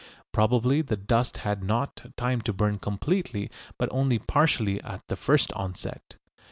Probably the dust had not time to burn completely but only partially at the first onset.